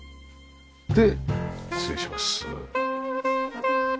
失礼します。